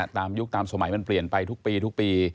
ตามยุคตามสมัยมันเปลี่ยนไปทุกปี